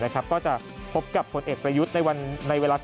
ก็จะพบกับผลเอกประยุทธ์ในเวลา